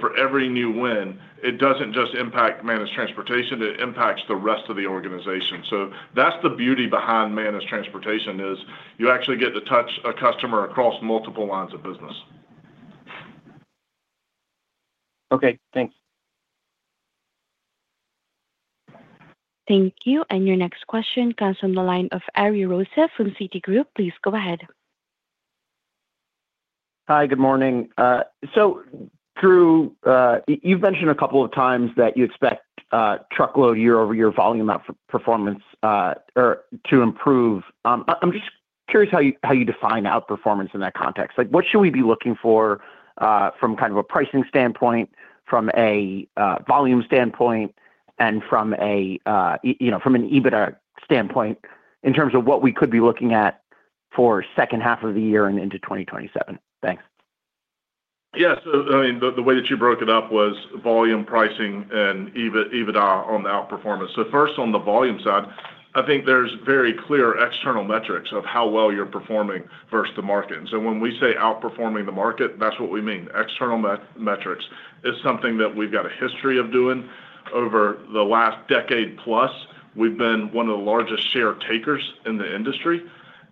for every new win, it doesn't just impact managed transportation. It impacts the rest of the organization. So that's the beauty behind managed transportation is you actually get to touch a customer across multiple lines of business. Okay. Thanks. Thank you. And your next question comes from the line of Ari Rosa from Citi. Please go ahead. Hi. Good morning. So Drew, you've mentioned a couple of times that you expect truckload year-over-year volume outperformance to improve. I'm just curious how you define outperformance in that context. What should we be looking for from kind of a pricing standpoint, from a volume standpoint, and from an EBITDA standpoint in terms of what we could be looking at for second half of the year and into 2027? Thanks. Yeah. So I mean, the way that you broke it up was volume, pricing, and EBITDA on the outperformance. So first, on the volume side, I think there's very clear external metrics of how well you're performing versus the market. And so when we say outperforming the market, that's what we mean. External metrics is something that we've got a history of doing over the last decade-plus. We've been one of the largest share takers in the industry.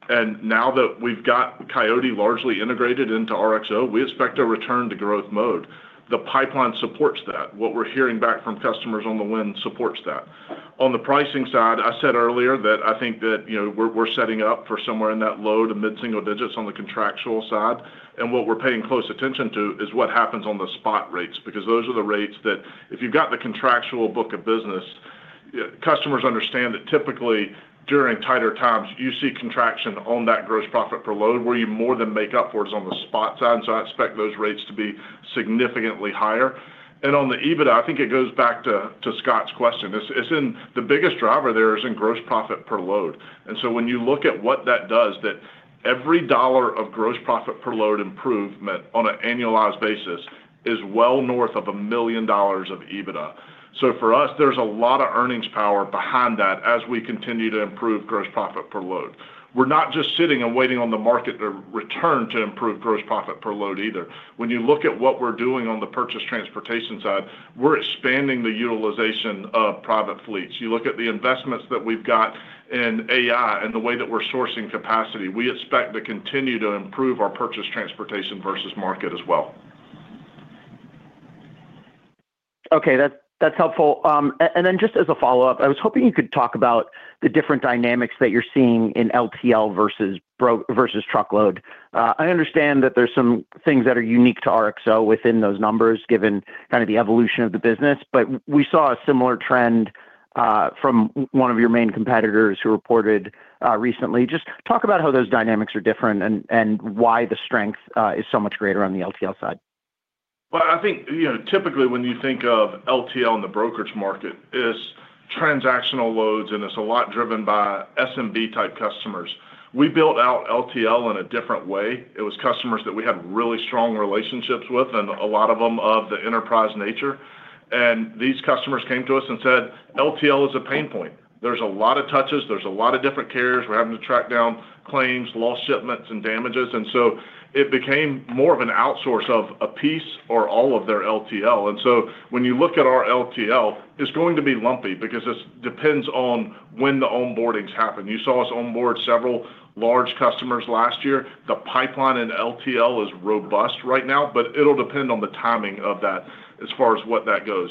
And now that we've got Coyote largely integrated into RXO, we expect a return to growth mode. The pipeline supports that. What we're hearing back from customers on the win supports that. On the pricing side, I said earlier that I think that we're setting up for somewhere in that low to mid-single digits on the contractual side. What we're paying close attention to is what happens on the spot rates because those are the rates that if you've got the contractual book of business, customers understand that typically during tighter times, you see contraction on that gross profit per load where you more than make up for it is on the spot side. I expect those rates to be significantly higher. On the EBITDA, I think it goes back to Scott's question. The biggest driver there is in gross profit per load. When you look at what that does, that every dollar of gross profit per load improvement on an annualized basis is well north of $1 million of EBITDA. For us, there's a lot of earnings power behind that as we continue to improve gross profit per load. We're not just sitting and waiting on the market to return to improve gross profit per load either. When you look at what we're doing on the purchased transportation side, we're expanding the utilization of private fleets. You look at the investments that we've got in AI and the way that we're sourcing capacity; we expect to continue to improve our purchased transportation versus market as well. Okay. That's helpful. And then just as a follow-up, I was hoping you could talk about the different dynamics that you're seeing in LTL versus truckload. I understand that there's some things that are unique to RXO within those numbers given kind of the evolution of the business, but we saw a similar trend from one of your main competitors who reported recently. Just talk about how those dynamics are different and why the strength is so much greater on the LTL side. Well, I think typically when you think of LTL in the brokerage market, it's transactional loads, and it's a lot driven by SMB-type customers. We built out LTL in a different way. It was customers that we had really strong relationships with and a lot of them of the enterprise nature. And these customers came to us and said, "LTL is a pain point. There's a lot of touches. There's a lot of different carriers. We're having to track down claims, lost shipments, and damages." And so it became more of an outsource of a piece or all of their LTL. And so when you look at our LTL, it's going to be lumpy because it depends on when the onboardings happen. You saw us onboard several large customers last year. The pipeline in LTL is robust right now, but it'll depend on the timing of that as far as what that goes.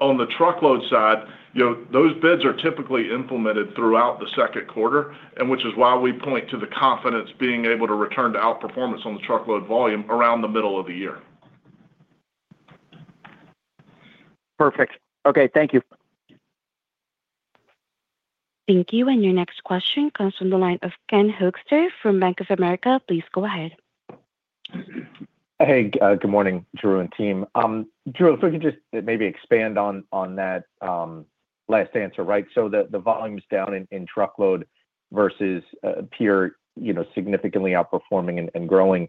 On the truckload side, those bids are typically implemented throughout the second quarter, which is why we point to the confidence being able to return to outperformance on the truckload volume around the middle of the year. Perfect. Okay. Thank you. Thank you. Your next question comes from the line of Ken Hoexter from Bank of America. Please go ahead. Hey. Good morning, Drew and team. Drew, if we could just maybe expand on that last answer, right? So the volume's down in truckload versus peer significantly outperforming and growing.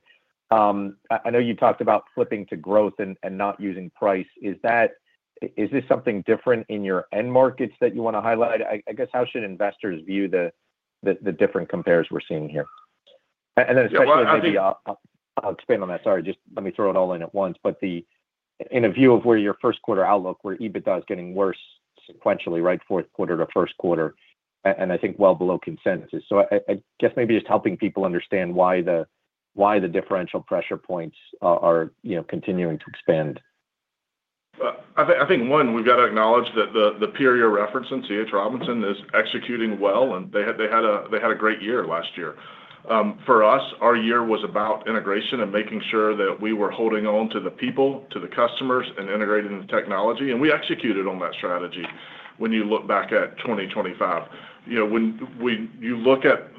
I know you talked about flipping to growth and not using price. Is this something different in your end markets that you want to highlight? I guess how should investors view the different compares we're seeing here? And then especially maybe I'll expand on that. Sorry. Just let me throw it all in at once. But in a view of where your first quarter outlook, where EBITDA is getting worse sequentially, right, fourth quarter to first quarter, and I think well below consensus. So I guess maybe just helping people understand why the differential pressure points are continuing to expand. I think, one, we've got to acknowledge that the peer you're referencing, C.H. Robinson, is executing well, and they had a great year last year. For us, our year was about integration and making sure that we were holding on to the people, to the customers, and integrating the technology. And we executed on that strategy when you look back at 2025. When you look at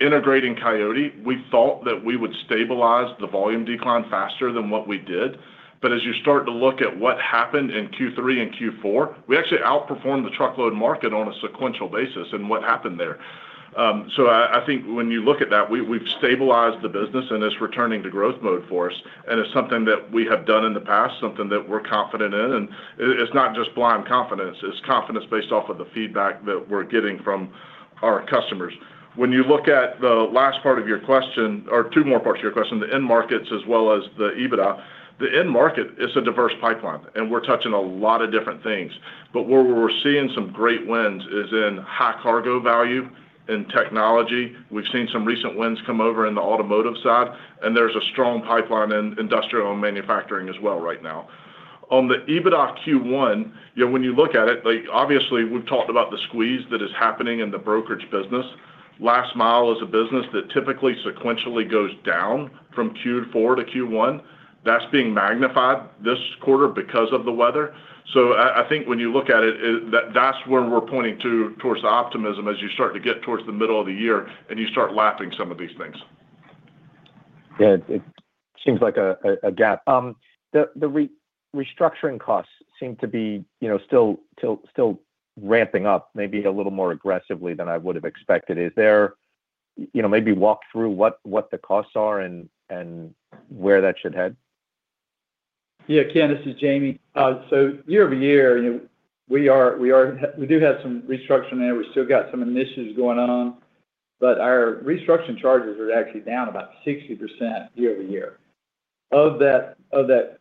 integrating Coyote, we thought that we would stabilize the volume decline faster than what we did. But as you start to look at what happened in Q3 and Q4, we actually outperformed the truckload market on a sequential basis in what happened there. So I think when you look at that, we've stabilized the business, and it's returning to growth mode for us. And it's something that we have done in the past, something that we're confident in. And it's not just blind confidence. It's confidence based off of the feedback that we're getting from our customers. When you look at the last part of your question or two more parts of your question, the end markets as well as the EBITDA, the end market is a diverse pipeline, and we're touching a lot of different things. But where we're seeing some great wins is in high cargo value and technology. We've seen some recent wins come over in the automotive side, and there's a strong pipeline in industrial and manufacturing as well right now. On the EBITDA Q1, when you look at it, obviously, we've talked about the squeeze that is happening in the brokerage business. Last mile is a business that typically sequentially goes down from Q4 to Q1. That's being magnified this quarter because of the weather. I think when you look at it, that's where we're pointing towards the optimism as you start to get towards the middle of the year and you start lapping some of these things. Yeah. It seems like a gap. The restructuring costs seem to be still ramping up maybe a little more aggressively than I would have expected. Is there maybe walk through what the costs are and where that should head? Yeah. Ken, this is Jamie. So year-over-year, we do have some restructuring there. We still got some initiatives going on, but our restructuring charges are actually down about 60% year-over-year. Of that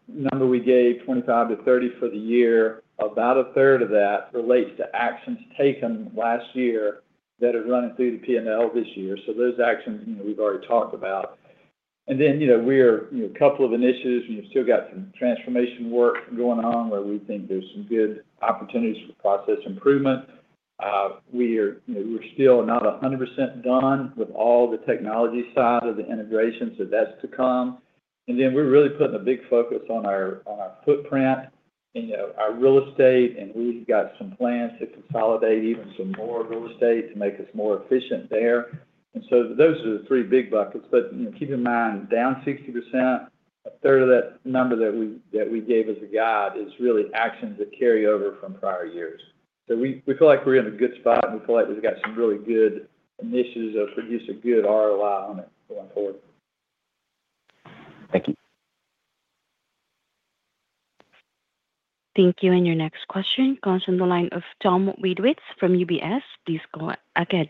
number we gave, $25-$30 for the year, about a third of that relates to actions taken last year that are running through the P&L this year. So those actions, we've already talked about. And then we have a couple of initiatives. We have still got some transformation work going on where we think there's some good opportunities for process improvement. We're still not 100% done with all the technology side of the integrations that's to come. And then we're really putting a big focus on our footprint, our real estate, and we've got some plans to consolidate even some more real estate to make us more efficient there. Those are the three big buckets. Keep in mind, down 60%, a third of that number that we gave as a guide is really actions that carry over from prior years. We feel like we're in a good spot, and we feel like we've got some really good initiatives that produce a good ROI on it going forward. Thank you. Thank you. Your next question comes from the line of Tom Wadewitz from UBS. Please go ahead.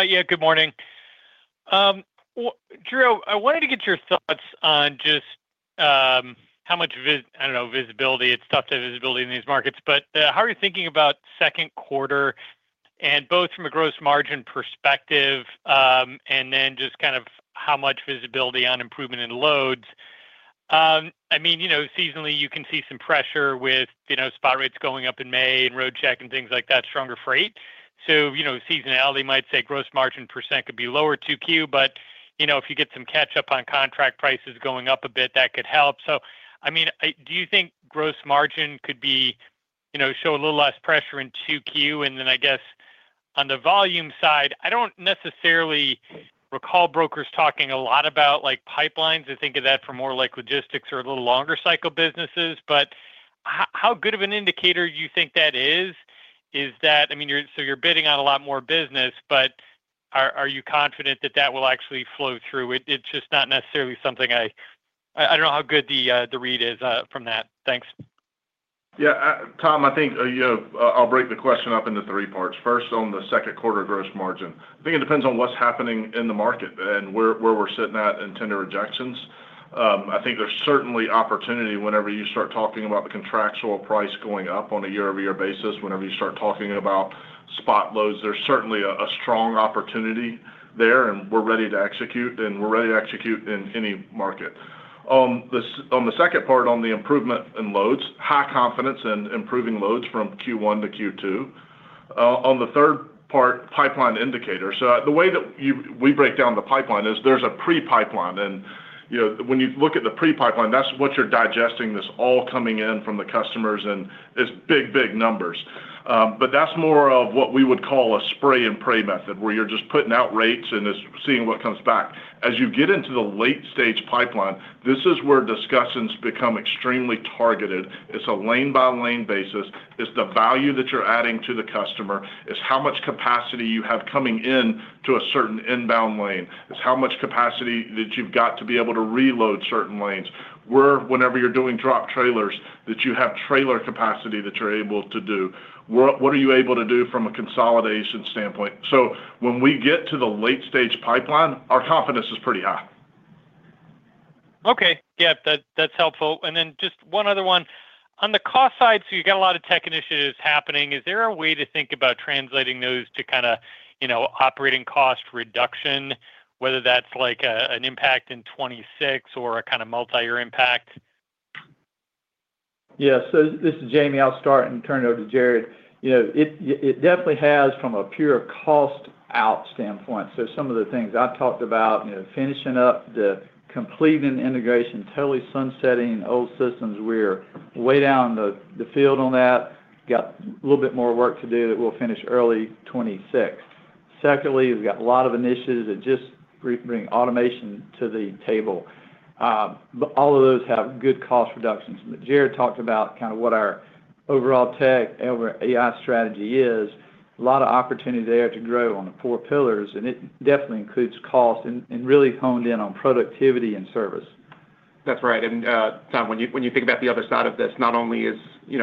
Yeah. Good morning. Drew, I wanted to get your thoughts on just how much, I don't know, visibility. It's tough to have visibility in these markets, but how are you thinking about second quarter, both from a gross margin perspective and then just kind of how much visibility on improvement in loads? I mean, seasonally, you can see some pressure with spot rates going up in May and Roadcheck and things like that, stronger freight. So seasonality might say gross margin % could be lower 2Q, but if you get some catch-up on contract prices going up a bit, that could help. So I mean, do you think gross margin could show a little less pressure in 2Q? And then I guess on the volume side, I don't necessarily recall brokers talking a lot about pipelines. I think of that for more logistics or a little longer cycle businesses. But how good of an indicator do you think that is? I mean, so you're bidding on a lot more business, but are you confident that that will actually flow through? It's just not necessarily something I don't know how good the read is from that. Thanks. Yeah. Tom, I think I'll break the question up into three parts. First, on the second quarter gross margin, I think it depends on what's happening in the market and where we're sitting at in tender rejections. I think there's certainly opportunity whenever you start talking about the contractual price going up on a year-over-year basis, whenever you start talking about spot loads, there's certainly a strong opportunity there, and we're ready to execute, and we're ready to execute in any market. On the second part, on the improvement in loads, high confidence in improving loads from Q1 to Q2. On the third part, pipeline indicator. So the way that we break down the pipeline is there's a pre-pipeline. And when you look at the pre-pipeline, that's what you're digesting, this all coming in from the customers, and it's big, big numbers. That's more of what we would call a spray and pray method where you're just putting out rates and seeing what comes back. As you get into the late-stage pipeline, this is where discussions become extremely targeted. It's a lane-by-lane basis. It's the value that you're adding to the customer. It's how much capacity you have coming in to a certain inbound lane. It's how much capacity that you've got to be able to reload certain lanes. Where, whenever you're doing drop trailers, that you have trailer capacity that you're able to do. What are you able to do from a consolidation standpoint? When we get to the late-stage pipeline, our confidence is pretty high. Okay. Yeah. That's helpful. And then just one other one. On the cost side, so you've got a lot of tech initiatives happening. Is there a way to think about translating those to kind of operating cost reduction, whether that's an impact in 2026 or a kind of multi-year impact? Yeah. So this is Jamie. I'll start and turn it over to Jared. It definitely has from a pure cost-out standpoint. So some of the things I talked about, finishing up the completing integration, totally sunsetting old systems. We're way down the field on that. Got a little bit more work to do that we'll finish early 2026. Secondly, we've got a lot of initiatives that just bring automation to the table. But all of those have good cost reductions. But Jared talked about kind of what our overall tech and overall AI strategy is. A lot of opportunity there to grow on the four pillars, and it definitely includes cost and really honed in on productivity and service. That's right. And Tom, when you think about the other side of this, not only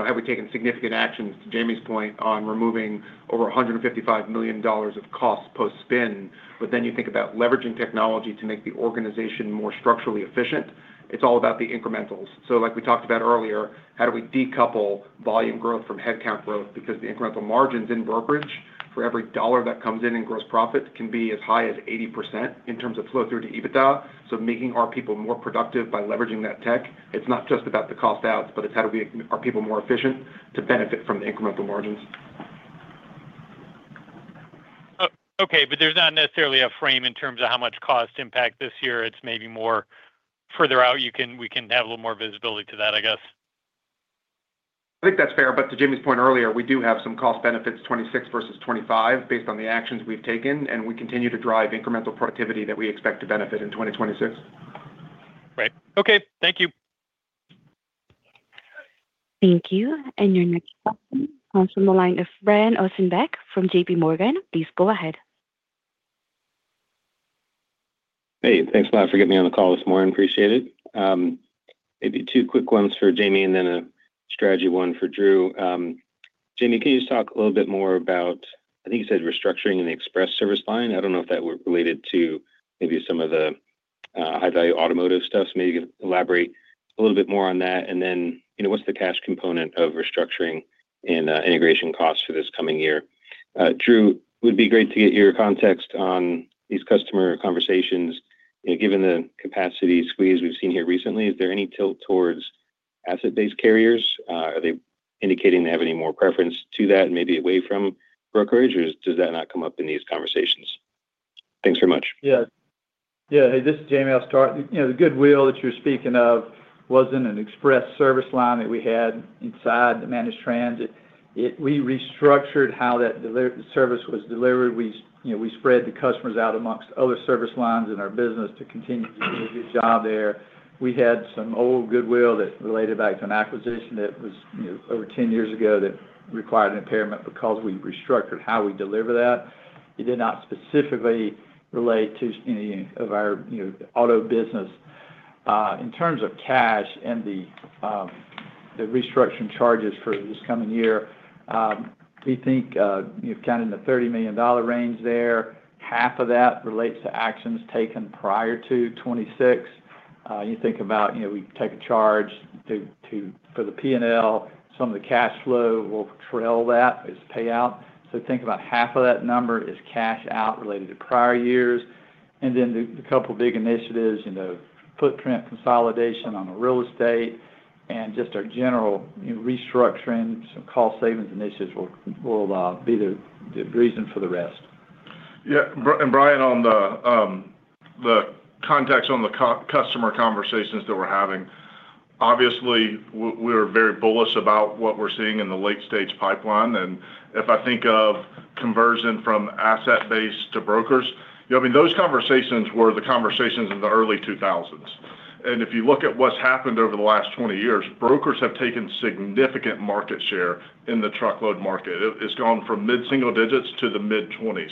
have we taken significant actions, to Jamie's point, on removing over $155 million of costs post-spin, but then you think about leveraging technology to make the organization more structurally efficient, it's all about the incrementals. So like we talked about earlier, how do we decouple volume growth from headcount growth? Because the incremental margins in brokerage for every dollar that comes in in gross profit can be as high as 80% in terms of flow-through to EBITDA. So making our people more productive by leveraging that tech, it's not just about the cost-outs, but it's how do we make our people more efficient to benefit from the incremental margins. Okay. But there's not necessarily a frame in terms of how much cost impact this year. It's maybe more further out. We can have a little more visibility to that, I guess. I think that's fair. But to Jamie's point earlier, we do have some cost benefits 2026 versus 2025 based on the actions we've taken, and we continue to drive incremental productivity that we expect to benefit in 2026. Right. Okay. Thank you. Thank you. And your next question comes from the line of Brian Ossenbeck from JPMorgan. Please go ahead. Hey. Thanks a lot for getting me on the call this morning. Appreciate it. Maybe two quick ones for Jamie and then a strategy one for Drew. Jamie, can you just talk a little bit more about I think you said restructuring in the express service line. I don't know if that were related to maybe some of the high-value automotive stuff. So maybe you can elaborate a little bit more on that. And then what's the cash component of restructuring and integration costs for this coming year? Drew, it would be great to get your context on these customer conversations. Given the capacity squeeze we've seen here recently, is there any tilt towards asset-based carriers? Are they indicating they have any more preference to that and maybe away from brokerage, or does that not come up in these conversations? Thanks very much. Yeah. Yeah. Hey, this is Jamie. I'll start. The goodwill that you're speaking of wasn't an express service line that we had inside the managed transportation. We restructured how that service was delivered. We spread the customers out amongst other service lines in our business to continue to do a good job there. We had some old goodwill that related back to an acquisition that was over 10 years ago that required impairment because we restructured how we deliver that. It did not specifically relate to any of our auto business. In terms of cash and the restructuring charges for this coming year, we think kind of in the $30 million range there, half of that relates to actions taken prior to 2026. You think about we take a charge for the P&L, some of the cash flow will trail that as payout. So think about half of that number is cash out related to prior years. And then the couple of big initiatives, footprint consolidation on the real estate and just our general restructuring, some cost savings initiatives will be the reason for the rest. Yeah. Brian, on the context on the customer conversations that we're having, obviously, we're very bullish about what we're seeing in the late-stage pipeline. If I think of conversion from asset-based to brokers, I mean, those conversations were the conversations in the early 2000s. If you look at what's happened over the last 20 years, brokers have taken significant market share in the truckload market. It's gone from mid-single digits to the mid-20s.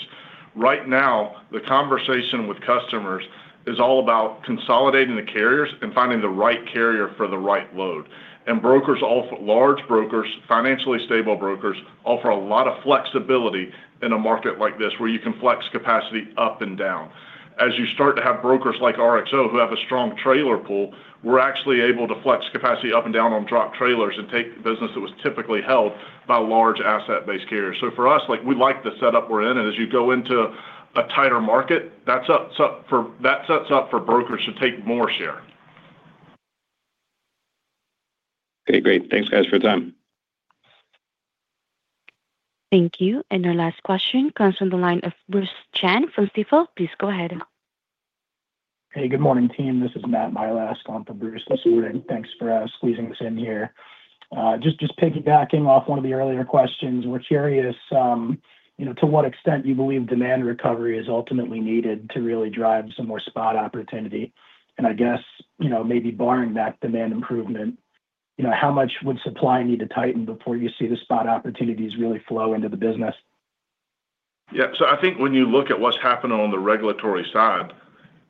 Right now, the conversation with customers is all about consolidating the carriers and finding the right carrier for the right load. Large brokers, financially stable brokers, offer a lot of flexibility in a market like this where you can flex capacity up and down. As you start to have brokers like RXO who have a strong trailer pool, we're actually able to flex capacity up and down on drop trailers and take business that was typically held by large asset-based carriers. So for us, we like the setup we're in. And as you go into a tighter market, that sets up for brokers to take more share. Okay. Great. Thanks, guys, for your time. Thank you. Our last question comes from the line of Bruce Chan from Stifel. Please go ahead. Hey. Good morning, team. This is Matt Milask from Bruce this morning. Thanks for squeezing us in here. Just piggybacking off one of the earlier questions, we're curious to what extent you believe demand recovery is ultimately needed to really drive some more spot opportunity? And I guess maybe barring that demand improvement, how much would supply need to tighten before you see the spot opportunities really flow into the business? Yeah. So I think when you look at what's happening on the regulatory side,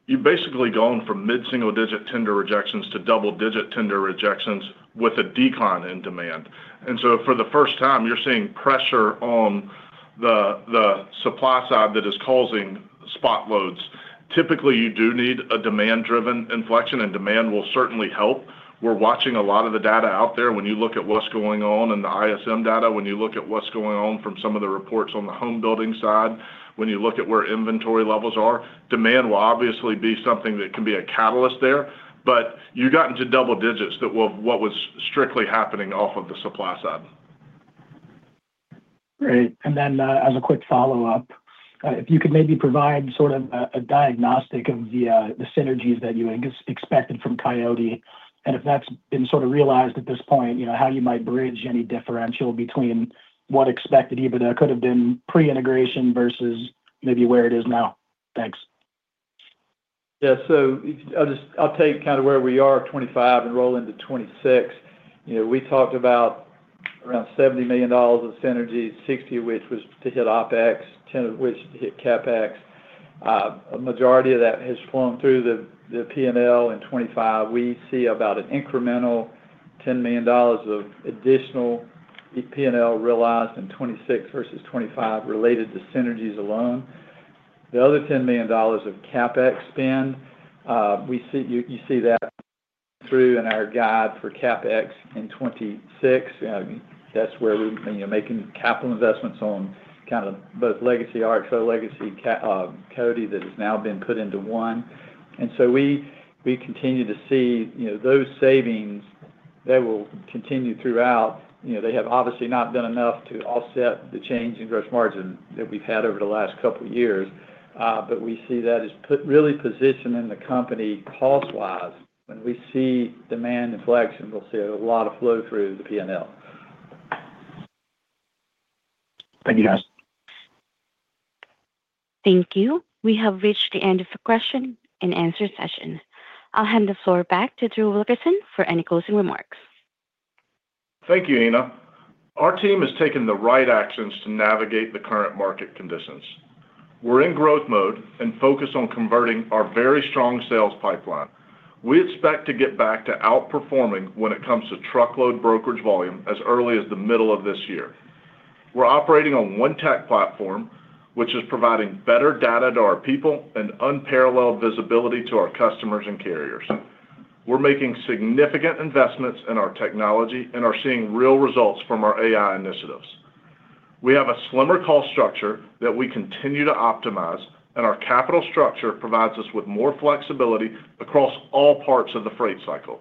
you've basically gone from mid-single digit tender rejections to double-digit tender rejections with a decline in demand. And so for the first time, you're seeing pressure on the supply side that is causing spot loads. Typically, you do need a demand-driven inflection, and demand will certainly help. We're watching a lot of the data out there. When you look at what's going on in the ISM data, when you look at what's going on from some of the reports on the home building side, when you look at where inventory levels are, demand will obviously be something that can be a catalyst there. But you've gotten to double digits that will have what was strictly happening off of the supply side. Great. As a quick follow-up, if you could maybe provide sort of a diagnostic of the synergies that you expected from Coyote, and if that's been sort of realized at this point, how you might bridge any differential between what expected EBITDA could have been pre-integration versus maybe where it is now? Thanks. Yeah. So I'll take kind of where we are at 2025 and roll into 2026. We talked about around $70 million of synergies, 60 of which was to hit OpEx, 10 of which to hit CapEx. A majority of that has flown through the P&L in 2025. We see about an incremental $10 million of additional P&L realized in 2026 versus 2025 related to synergies alone. The other $10 million of CapEx spend, you see that through in our guide for CapEx in 2026. That's where we're making capital investments on kind of both RXO legacy and Coyote that has now been put into one. And so we continue to see those savings, they will continue throughout. They have obviously not done enough to offset the change in gross margin that we've had over the last couple of years. But we see that as really positioning the company cost-wise. When we see demand inflection, we'll see a lot of flow through the P&L. Thank you, guys. Thank you. We have reached the end of the question and answer session. I'll hand the floor back to Drew Wilkerson for any closing remarks. Thank you, Ina. Our team has taken the right actions to navigate the current market conditions. We're in growth mode and focused on converting our very strong sales pipeline. We expect to get back to outperforming when it comes to truckload brokerage volume as early as the middle of this year. We're operating on one tech platform, which is providing better data to our people and unparalleled visibility to our customers and carriers. We're making significant investments in our technology and are seeing real results from our AI initiatives. We have a slimmer cost structure that we continue to optimize, and our capital structure provides us with more flexibility across all parts of the freight cycle.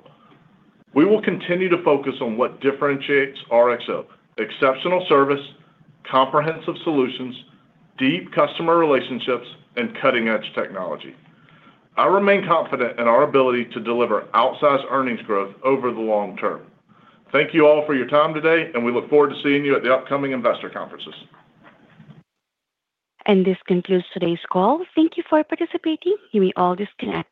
We will continue to focus on what differentiates RXO: exceptional service, comprehensive solutions, deep customer relationships, and cutting-edge technology. I remain confident in our ability to deliver outsized earnings growth over the long term. Thank you all for your time today, and we look forward to seeing you at the upcoming investor conferences. This concludes today's call. Thank you for participating. You may all disconnect.